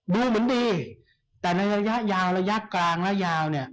ดูเหมือนดีแต่ในระยะยาวระยะกลางและยาวเนี่ย